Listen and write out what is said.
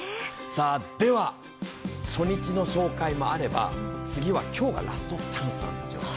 では、初日の紹介もあれば、次は今日がラストチャンスなんですよ。